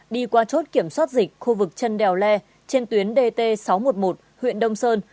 đi qua chốt kiểm soát dịch khu vực chân đèo le trên tuyến dt sáu trăm một mươi một huyện đông sơn